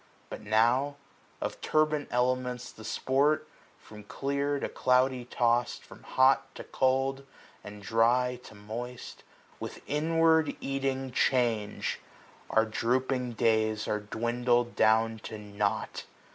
But now, of turbid elements the sport, 330 From clear to cloudy tost, from hot to cold. And dry to moist, with inward eating change. Our drooping days are dwindled down to nought.